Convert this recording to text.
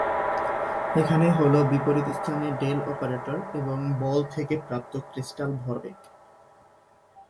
এখানে হল বিপরীত স্থানে ডেল অপারেটর এবং বল থেকে প্রাপ্ত ক্রিস্টাল ভরবেগ।